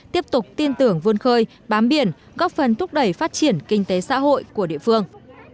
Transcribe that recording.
tiếp tục tin tưởng vươn khơi bám biển góp phần thúc đẩy phát triển kinh tế xã hội của địa phương